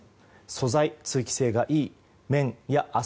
素材、通気性がいい綿や麻